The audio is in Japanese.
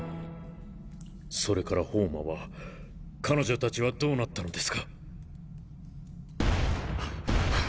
それからホウマは彼女たちはどうなったのですか？